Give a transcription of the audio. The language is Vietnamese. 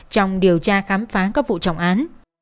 trong điều tra khám phá các vụ trọng án